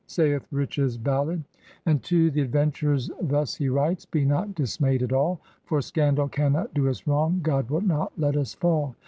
Saith Rich's ballad: And to the adventurers' thus he writes, ^^Be not dismayed at all, For scandall cannot doe us wrong, God will not let us fall.